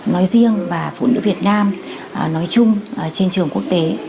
nói riêng và phụ nữ việt nam nói chung trên trường quốc tế